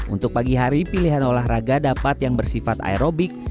untuk pagi hari pilihan olahraga dapat yang bersifat aerobik